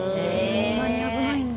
そんなに危ないんだ。